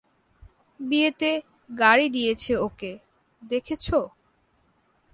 বিয়েতে গাড়ি দিয়েছে ওকে, দেখেছ?